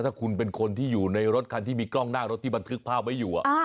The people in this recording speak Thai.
ถ้าคุณเป็นคนที่อยู่ในรถคันที่มีกล้องหน้ารถที่บันทึกภาพไว้อยู่